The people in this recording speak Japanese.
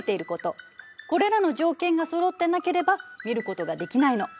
これらの条件がそろってなければ見ることができないの。